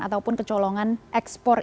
ataupun kecolongan ekspor